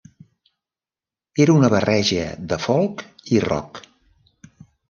Era una barreja de folk i rock.